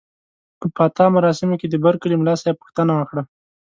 په پاتا مراسمو کې د برکلي ملاصاحب پوښتنه وکړه.